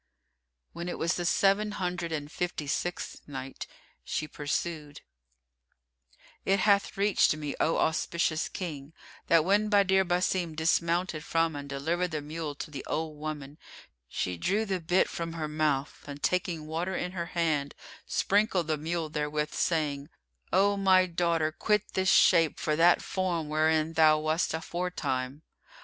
When it was the Seven Hundred and Fifty sixth Night, She pursued, It hath reached me, O auspicious King, that when Badr Basim dismounted from and delivered the mule to the old woman, she drew the bit from her mouth and, taking water in her hand, sprinkled the mule therewith, saying, "O my daughter, quit this shape for that form wherein thou wast aforetime!"